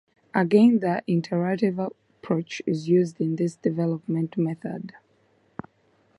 Again the iterative approach is used in this development method.